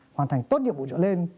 hoàn thành tốt nhiệm vụ trở lên